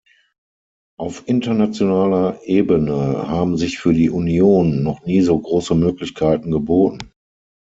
Auf internationaler Ebene haben sich für die Union noch nie so große Möglichkeiten geboten.